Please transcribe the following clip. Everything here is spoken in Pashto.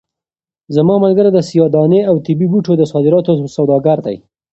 زما ملګری د سیاه دانې او طبي بوټو د صادراتو سوداګر دی.